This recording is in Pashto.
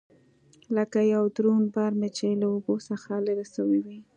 لکه يو دروند بار مې چې له اوږو څخه لرې سوى وي.